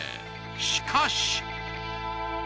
しかし。